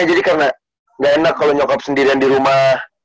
jadi karena ga enak kalau nyokap sendirian di rumah